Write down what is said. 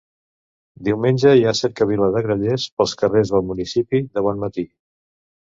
Diumenge hi ha cercavila de grallers pels carrers del municipi de bon matí.